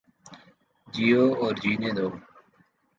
جیو اور جینے دو